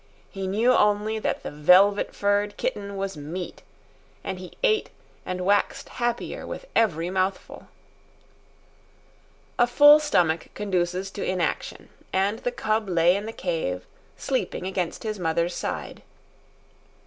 He knew only that the velvet furred kitten was meat, and he ate and waxed happier with every mouthful. A full stomach conduces to inaction, and the cub lay in the cave, sleeping against his mother's side.